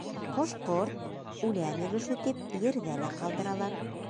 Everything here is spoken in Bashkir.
Ҡош-ҡорт, үлән өлөшө тип ерҙә лә ҡалдыралар.